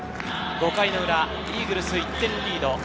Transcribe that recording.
５回の裏、イーグルス１点リード。